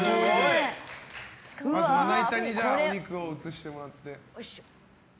まな板にお肉を移してもらって。